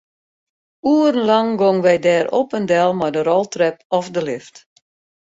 Oerenlang gongen wy dêr op en del mei de roltrep of de lift.